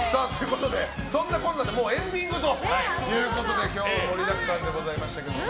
そんなこんなでエンディングということで今日も盛りだくさんでございましたけど。